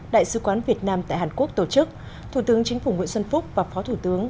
đại sứ quán việt nam tại hàn quốc tổ chức thủ tướng chính phủ nguyễn xuân phúc và phó thủ tướng